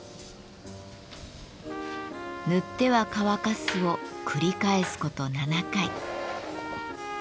塗っては乾かすを繰り返すこと７回。